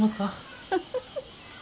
フフフフフ。